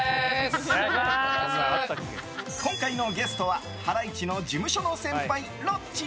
今回のゲストはハライチの事務所の先輩、ロッチ。